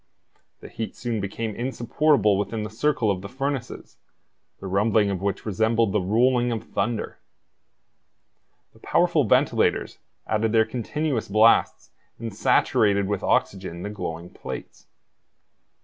The heat soon became insupportable within the circle of furnaces, the rumbling of which resembled the rolling of thunder. The powerful ventilators added their continuous blasts and saturated with oxygen the glowing plates.